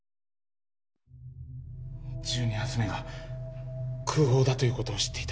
１２発目が空砲だということを知っていた。